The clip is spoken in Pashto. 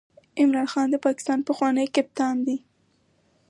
عمران خان د پاکستان پخوانی کپتان دئ.